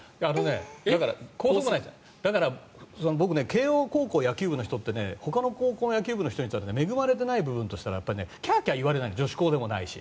慶応高校野球部の人ってほかの高校の野球部の人に比べて恵まれてない部分はキャーキャー言われない女子高でもないし。